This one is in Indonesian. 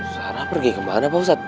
sana pergi kemana pak ustadz